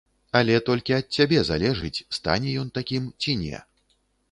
Але толькі ад цябе залежыць, стане ён такім ці не.